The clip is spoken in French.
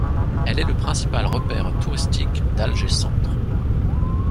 Elle est le principal repère touristique d'Alger-Centre.